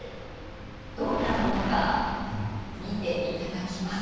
どんなものか見ていただきます。